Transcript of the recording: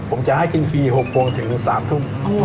ผมจะให้กินฟรี๖โมงถึง๓ทุ่ม